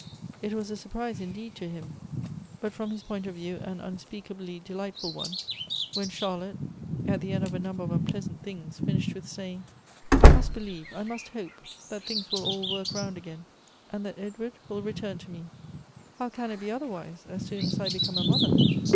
It was a surprise, indeed, to him, but from his point of view an unspeakably delightful one, when Charlotte, at the end of a number of unpleasant things, finished with saying :" I must believe, I must hope, that things will all work round again, and that Edward will return to me. How can it be otherwise, as soon as I become a mother?"